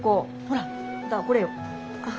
ほらこれよ。